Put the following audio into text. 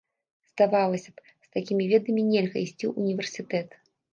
Здавалася б, з такімі ведамі нельга ісці ў універсітэт.